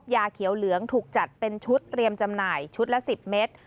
ยาเขียวเหลืองถูกจัดเป็นชุดเตรียมจำหน่ายชุดละ๑๐เมตร